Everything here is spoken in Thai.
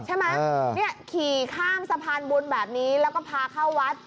ใช่ไหมเนี่ยขี่ข้ามสะพานบุญแบบนี้แล้วก็พาเข้าวัด